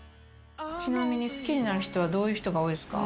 ちなみに好きになる人はどういう人が多いですか？